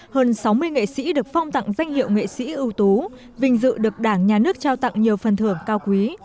hơn sáu mươi nghệ sĩ được phong tặng danh hiệu nghệ sĩ ưu tú vinh dự được đảng nhà nước trao tặng nhiều phần thưởng cao quý